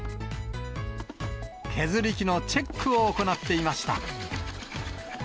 削り器のチェックを行っていました。